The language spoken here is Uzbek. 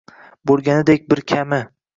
Bo’lganidek bir kami